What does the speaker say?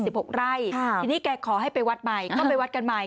ทีนี้แกขอให้ไปวัดใหม่ก็ไปวัดกันใหม่